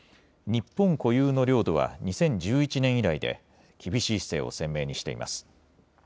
日本固有の領土は２０１１年以来で、厳しい姿勢を鮮明にしています。